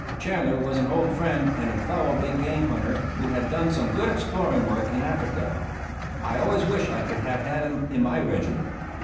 Chanler was an old friend and a fellow big game hunter, who had done some good exploring work in Africa. I always wished I could have had him in my regiment.